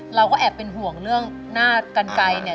เราก็แอบเป็นห่วงเรื่องหน้ากันไกลเนี่ย